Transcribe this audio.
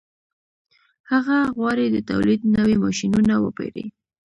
هغه غواړي د تولید نوي ماشینونه وپېري